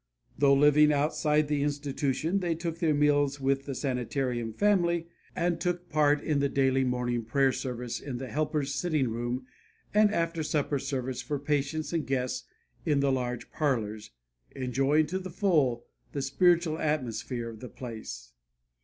Though living outside the institution they took their meals with the Sanitarium family and took part in the daily morning prayer service in the helpers' sitting room and the after supper service for patients and guests in the large parlors, enjoying to the full the spiritual atmosphere of the place.